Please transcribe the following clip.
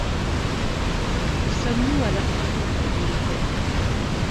Y sommes-nous à la fin! dit le père.